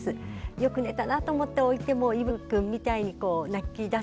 よく寝たなと思って置いてもいぶきくんみたいに泣きだす